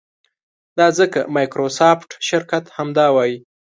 دا ځکه مایکروسافټ شرکت همدا وایي.